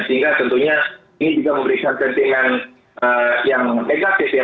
sehingga tentunya ini juga memberikan sentimen yang negatif ya